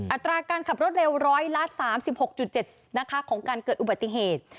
อัตราการขับรถเร็วร้อยละ๓๖๗นะคะของการเกิดอุบัติเหตุ